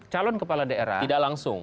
calon kepala daerah tidak langsung